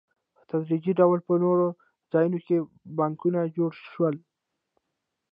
په تدریجي ډول په نورو ځایونو کې بانکونه جوړ شول